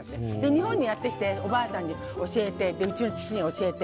日本にやってきておばあさんに教えてうちの父に教えて。